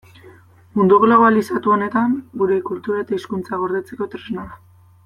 Mundu globalizatu honetan gure kultura eta hizkuntza gordetzeko tresna da.